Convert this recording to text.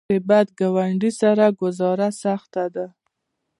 د بد ګاونډي سره ګذاره سخته ده.